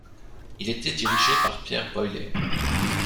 Il était dirigé par Pierre Boilley.